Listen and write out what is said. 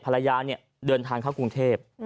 ภรรยาเนี่ยเดินทางเข้ากรุงเทพ